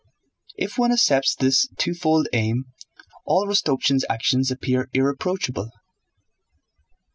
If one accepts this twofold aim all Rostopchín's actions appear irreproachable.